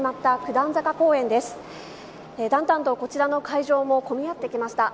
だんだんとこちらの会場も混み合ってきました。